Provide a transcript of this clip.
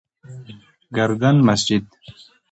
گردن مسجد: